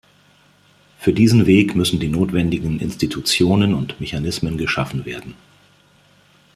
Für diesen Weg müssen die notwendigen Institutionen und Mechanismen geschaffen werden.